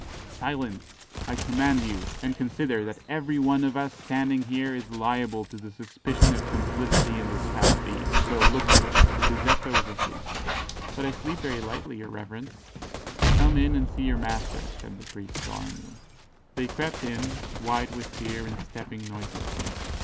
"Silence! I command you; and consider that every one of us standing here is liable to the suspicion of complicity in this foul deed; so look to it. Giuseppe was asleep." "But I sleep very lightly, your reverence." "Come in and see your master," said the priest solemnly. They crept in, white with fear and stepping noiselessly.